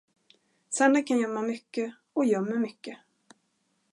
Sanden kan gömma mycket och gömmer mycket.